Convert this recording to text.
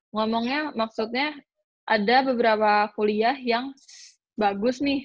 ngomongnya maksudnya ada beberapa kuliah yang bagus nih